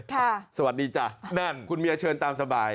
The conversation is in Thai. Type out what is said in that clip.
สวัสดีจ้ะนั่นคุณเมียเชิญตามสบาย